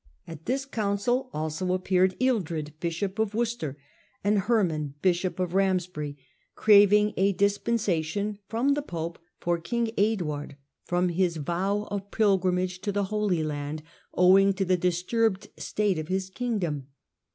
At this council also appeared Ealdred, bishop of Worcester, and Herman, bishop of Ramsbury, craving a dispensation from the pope for king Eadward firom his vow of pilgrimage to tthe Holy Land, owing to the disturbed state of his king dom.